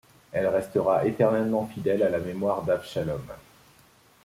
Elle restera éternellement fidèle à la mémoire d'Avshalom.